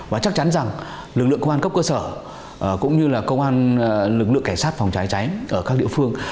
và chắc chắn rằng lực lượng công an cấp cơ sở cũng như là công an lực lượng cảnh sát phòng cháy cháy ở các địa phương